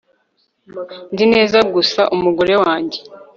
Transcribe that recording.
Nzi neza gusa umugore wanjye